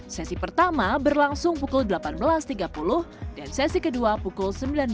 sesi pertama berlangsung pukul delapan belas tiga puluh dan sesi kedua pukul sembilan belas